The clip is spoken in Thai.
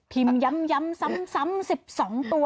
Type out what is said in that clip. พิมพ์ย้ำซ้ำ๑๒ตัว